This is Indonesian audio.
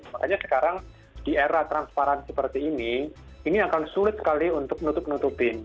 makanya sekarang di era transparan seperti ini ini akan sulit sekali untuk nutup nutupin